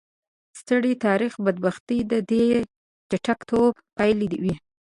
سترې تاریخي بدبختۍ د دې چټک ټوپ پایلې وې.